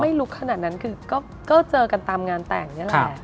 ลุกขนาดนั้นคือก็เจอกันตามงานแต่งนี่แหละ